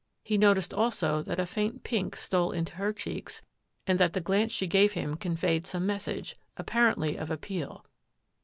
He noticed also that a faint pink stole into her cheeks and that the glance she gave him conveyed some message, apparently of appeal.